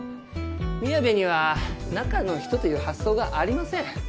宮部には中の人という発想がありません。